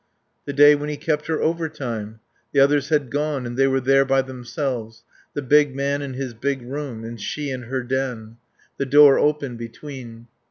The day when he kept her over time. The others had gone and they were there by themselves, the big man in his big room and she in her den, the door open between.